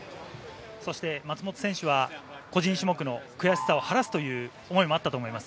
そして、松元選手は個人種目の悔しさを晴らすという思いもあったと思います。